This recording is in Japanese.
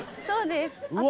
そうです。